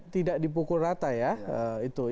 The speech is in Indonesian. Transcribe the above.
tidak dipukul rata ya itu